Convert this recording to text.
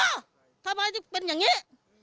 เออทำไมเป็นอย่างนี้